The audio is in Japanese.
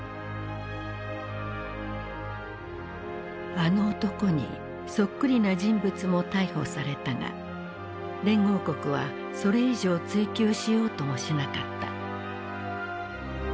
あの男にそっくりな人物も逮捕されたが連合国はそれ以上追及しようともしなかった。